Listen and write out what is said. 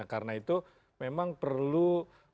karena itu memang perlu pembicaraan